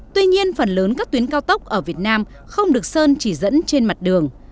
tuy nhiên phần lớn các tuyến cao tốc ở việt nam không được sơn chỉ dẫn trên mặt đường